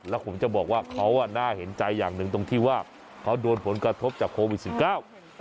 แล้วผมจะบอกว่าเขาอ่ะน่าเห็นใจอย่างหนึ่งตรงที่ว่าเขาโดนผลกระทบจากโควิดสิบเก้า